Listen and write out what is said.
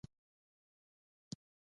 آیا ځینې قومونه ولور د نجلۍ حق نه ګڼي؟